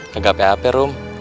gak apa apa rum